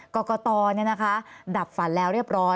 กรกตเนี่ยนะคะดับฝันแล้วเรียบร้อย